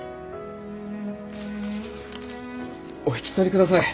お引き取りください。